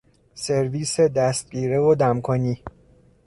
سرویس دستگیره و دمکنی